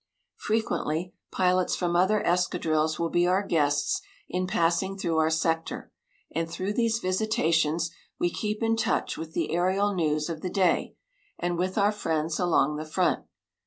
Frequently pilots from other escadrilles will be our guests in passing through our sector, and through these visitations we keep in touch with the aërial news of the day, and with our friends along the front.